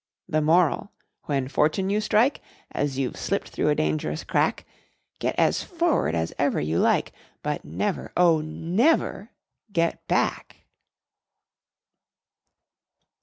The Moral: When fortune you strike, And you've slipped through a dangerous crack, Get as forward as ever you like, But never, oh, never get back!